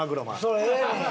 それええねん！